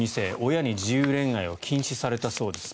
親に自由恋愛を禁止されたそうです。